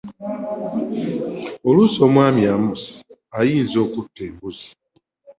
Oluusi omwami Amosi ayinza okutta embuzi.